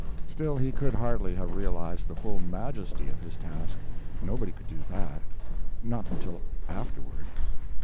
Still he could hardly have realized the full majesty of his task; nobody could do that not until afterward.